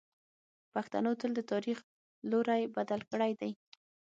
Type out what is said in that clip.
پښتنو تل د تاریخ لوری بدل کړی دی.